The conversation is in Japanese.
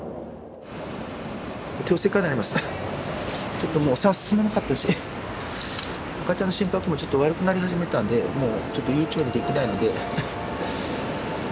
ちょっともうお産が進まなかったし赤ちゃんの心拍もちょっと悪くなり始めたのでもうちょっと悠長にできないので。